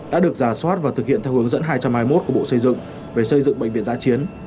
đã được giả soát và thực hiện theo hướng dẫn hai trăm hai mươi một của bộ xây dựng về xây dựng bệnh viện giã chiến